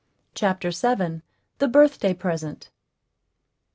CHAPTER VII. THE BIRTHDAY PRESENT.